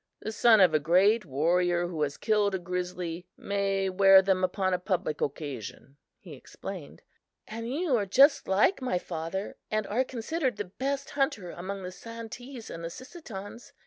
The son of a great warrior who has killed a grizzly may wear them upon a public occasion," he explained. "And you are just like my father and are considered the best hunter among the Santees and Sissetons.